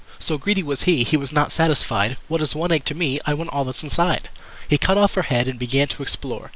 So greedy was he, He was not satisfied. "What is one egg to me? I want all that' inside!" He cut off her head, And began to explore.